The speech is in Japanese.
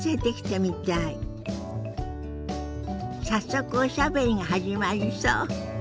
早速おしゃべりが始まりそう。